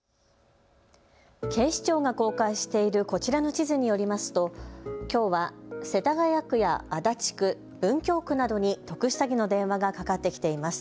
警視庁が公開しているこちらの地図によりますときょうは世田谷区や足立区、文京区などに特殊詐欺の電話がかかってきています。